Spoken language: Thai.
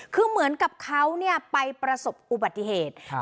คือเหมือนกับเขาเนี่ยไปประสบอุบัติเหตุ